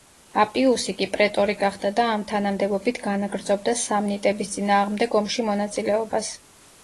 აპიუსი კი პრეტორი გახდა და ამ თანამდებობით განაგრძობდა სამნიტების წინააღმდეგ ომში მონაწილეობას.